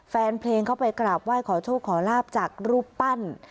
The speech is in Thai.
แฟนเพลงเข้าไปกราบไหว้ขอโชคขอลาบจากรูปปั้น